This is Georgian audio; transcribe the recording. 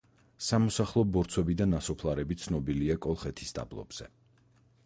სამოსახლო ბორცვები და ნასოფლარები ცნობილია კოლხეთის დაბლობზე.